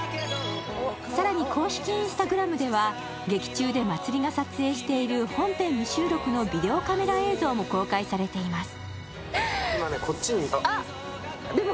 更に、公式Ｉｎｓｔａｇｒａｍでは劇中で茉莉が撮影している本編未収録のビデオカメラ映像も公開されています。